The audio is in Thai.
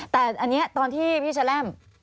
แต่อันนี้ตอนที่พี่แชล่ม